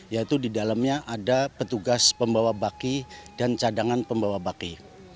yaitu di dalamnya ada petugas pembawa baki dan cadangan pembawa baki